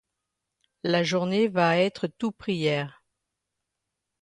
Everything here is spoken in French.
La journée va être tout prières.